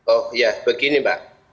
oh ya begini mbak